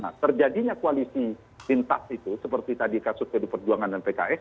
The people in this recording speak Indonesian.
nah terjadinya koalisi pintas itu seperti tadi kasus pd perjuangan dan pks